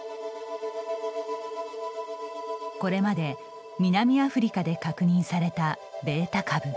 これまで南アフリカで確認されたベータ株。